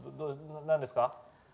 何ですか？